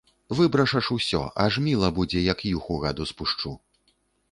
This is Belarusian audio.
Выбрашаш усё, аж міла будзе, як юху гаду спушчу!